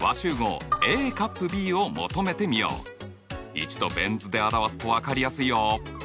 一度ベン図で表すと分かりやすいよ。